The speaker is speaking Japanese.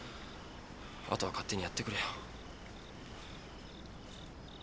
あとは勝手にやってくれよ。